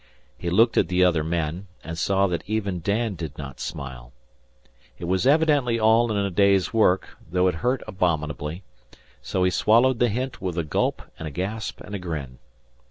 He looked at the other men, and saw that even Dan did not smile. It was evidently all in the day's work, though it hurt abominably; so he swallowed the hint with a gulp and a gasp and a grin.